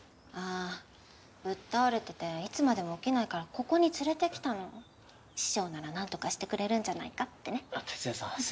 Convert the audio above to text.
あぁぶっ倒れてていつまでも起きないからここに連れてきたの師匠ならなんとかしてくれるんじゃないかってね哲也さん